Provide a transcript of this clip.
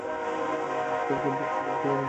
এমন করে কেউ কীভাবে ঘুমাতে পারে?